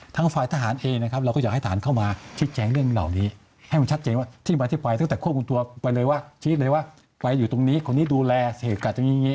ทั้งฝ่ายทหารเองเราก็อยากให้ทหารเข้ามา